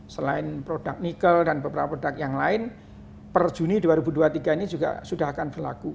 selain produk nikel dan beberapa produk yang lain per juni dua ribu dua puluh tiga ini juga sudah akan berlaku